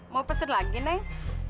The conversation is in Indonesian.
mau pesen lagi neng